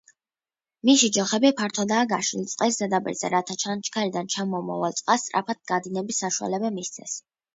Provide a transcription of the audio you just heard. მისი ჯოხები ფართოდაა გაშლილი წლის ზედაპირზე რათა ჩანჩქერიდან ჩამომავალ წყალს სწრაფად გადინების საშუალება მისცეს.